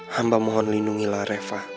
hamba mohon lindungilah reva